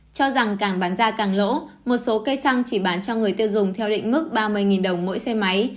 cho rằng càng bán ra càng lỗ một số cây xăng chỉ bán cho người tiêu dùng theo định mức ba mươi đồng mỗi xe máy